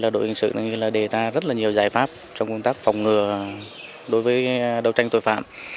đội hình sự đề ra rất nhiều giải pháp trong công tác phòng ngừa đối với đấu tranh tội phạm